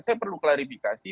saya perlu klarifikasi